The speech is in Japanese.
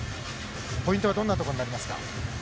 ポイントはどんなところになりますか？